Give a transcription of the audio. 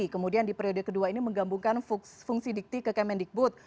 kemudian di perode kedua ini menggambungkan fungsi dikti ke kementikbut